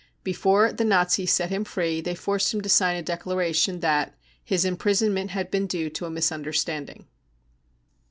Before the Nazis set him free, they forced him to sign a declaration that " his imprisonment had been due to a misunderstanding